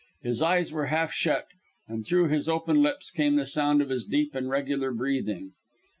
His eyes were half shut, and through his open lips came the sound of his deep and regular breathing.